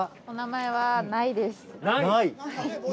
お名前は、ないです。